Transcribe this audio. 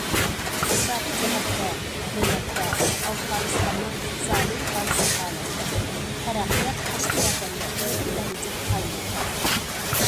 ئىقتىسادىي جەھەتتە نۆۋەتتە ئافغانىستاننىڭ ئىقتىسادىي ھالسىز ھالەتتە، تەرەققىيات تاشقى ياردەمگە ئېغىر دەرىجىدە تايىنىدۇ.